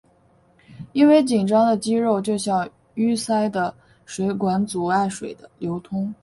因为紧张的肌肉就像淤塞的水管阻碍水的流通。